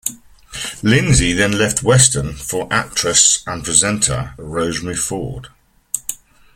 Lindsay then left Weston for actress and presenter Rosemarie Ford.